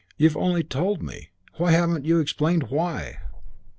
You've only told me. You haven't explained why."